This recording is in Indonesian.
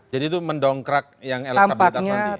jadi itu mendongkrak yang elastabilitas tadi